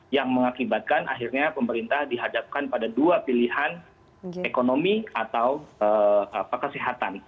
yang mengakibatkan akhirnya pemerintah dihadapkan pada dua pilihan ekonomi atau kesehatan